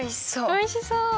おいしそ。